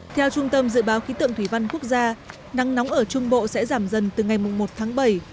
theo trung tâm dự báo khí tượng thủy văn quốc gia nắng nóng ở trung bộ sẽ giảm dần từ ngày một tháng bảy